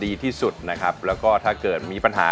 คุณแม่รู้สึกยังไงในตัวของกุ้งอิงบ้าง